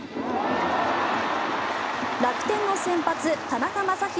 楽天の先発、田中将大